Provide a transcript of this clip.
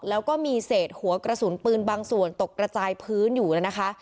แล้วก็มีเศษหัวกระสุนปืนบางส่วนตกกระจายพื้นอยู่นะคะ